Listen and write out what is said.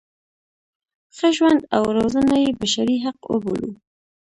ښه ژوند او روزنه یې بشري حق وبولو.